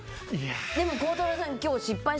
でも、孝太郎さん